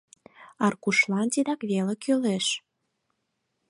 Аркушлан тидак веле кӱлеш.